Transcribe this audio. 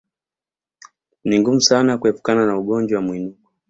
Ni ngumu sana kuepukana na ugonjwa wa mwinuko